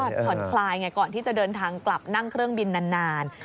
ผ่อนคลายไงก่อนที่จะเดินทางกลับนั่งเครื่องบินนาน